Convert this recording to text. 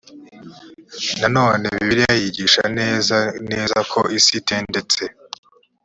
nanone bibiliya yigisha neza neza ko isi itendetse